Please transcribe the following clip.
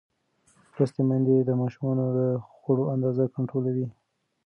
لوستې میندې د ماشومانو د خوړو اندازه کنټرولوي.